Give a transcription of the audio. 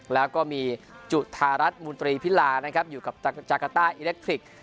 แล้วก็มีจุธารัฐมูลตรีพิลานะครับอยู่กับจากาต้าอิเล็กทริกส์